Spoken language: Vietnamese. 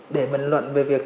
để bình luận về việc